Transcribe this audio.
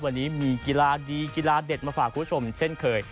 วันนี้มีกีฬาดีกีฬาเด็ดมาฝากคุณผู้ชมเช่นเคย